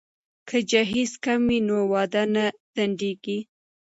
که جهیز کم وي نو واده نه ځنډیږي.